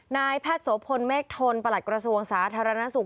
นายแพทย์โสพลเมฆทนประหลัดกระทรวงสาธารณสุข